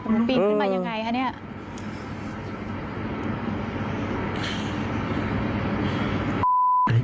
มันปีนขึ้นมายังไงคะเนี่ย